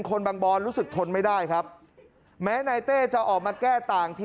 บางบอนรู้สึกทนไม่ได้ครับแม้นายเต้จะออกมาแก้ต่างที